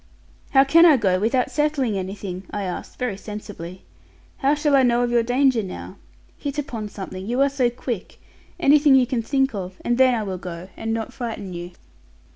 'How can I go without settling anything?' I asked very sensibly. 'How shall I know of your danger now? Hit upon something; you are so quick. Anything you can think of; and then I will go, and not frighten you.'